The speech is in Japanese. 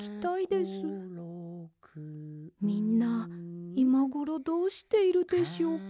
みんないまごろどうしているでしょうか。